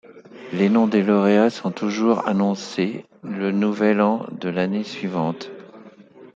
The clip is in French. Les noms des lauréats sont toujours annoncés le Nouvel An de l'année suivante.